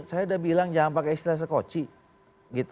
saya udah bilang jangan pakai istilah skocie